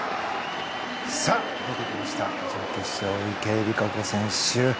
準決勝、池江璃花子選手。